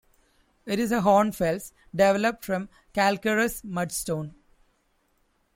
It is a hornfels developed from calcareous mudstone.